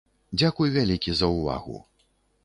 Дзякуй вялікі за ўвагу.